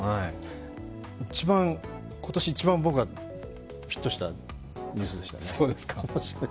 今年一番僕がフィットしたニュースでしたね。